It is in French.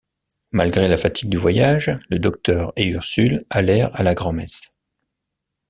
Malgré la fatigue du voyage, le docteur et Ursule allèrent à la grand’messe.